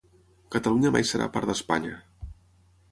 Catalunya mai serà part d'Espanya